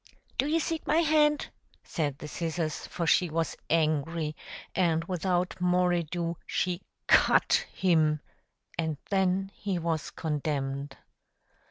"Do you seek my hand?" said the scissors; for she was angry; and without more ado, she CUT HIM, and then he was condemned.